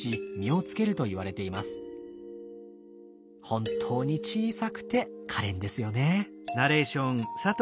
本当に小さくてかれんですよね。